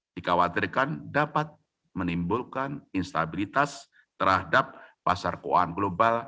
dikhawatirkan dapat menimbulkan instabilitas terhadap pasar keuangan global